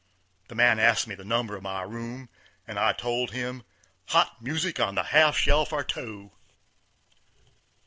The man asked me the number of my room, and I told him, "Hot music on the half shell for two!"